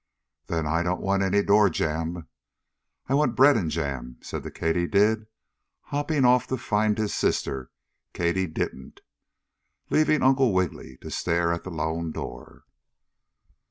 "Then I don't want any door jamb I want bread and jam," said the katydid, hopping off to find her sister, Katydidn't, leaving Uncle Wiggily to stare at the lone door.